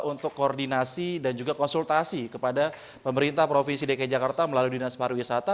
untuk koordinasi dan juga konsultasi kepada pemerintah provinsi dki jakarta melalui dinas pariwisata